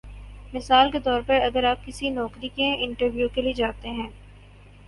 مثال کے طور پر اگر آپ کسی نوکری کے انٹرویو کے لیے جاتے ہیں